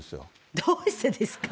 どうしてですか。